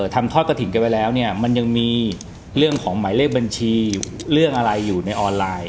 ทำทอดกระถิ่นกันไว้แล้วเนี่ยมันยังมีเรื่องของหมายเลขบัญชีเรื่องอะไรอยู่ในออนไลน์